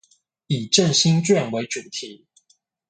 以振興券為主題